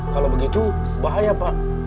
kalau begitu bahaya pak